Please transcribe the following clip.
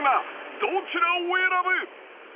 どちらを選ぶ？］